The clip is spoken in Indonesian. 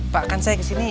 pak kan saya ke sini